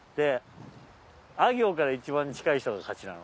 あ行から一番近い人が勝ちなの。